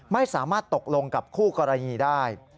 ไม่สามารถตกลงกับคู่กรณีได้